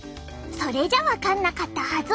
それじゃ分かんなかったはず。